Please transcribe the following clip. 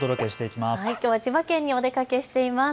きょうは千葉県にお出かけしています。